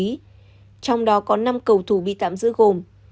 trong đó có năm cầu thủ bị tạm giữ gồm